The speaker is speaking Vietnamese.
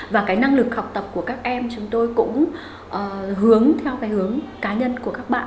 và cái năng lực học tập của các em chúng tôi cũng hướng theo cái hướng cá nhân của các bạn